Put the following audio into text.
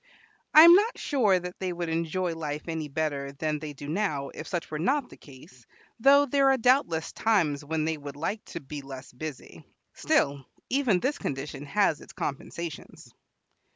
I am not sure that they would enjoy life any better than they do now if such were not the case, though there are doubtless times when they would like to be less busy. Still, even this condition has its compensations.